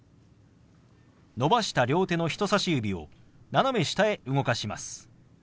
伸ばした両手の人さし指を斜め下へ動かします。